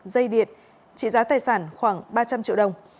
dây điện trị giá tài sản khoảng ba trăm linh triệu đồng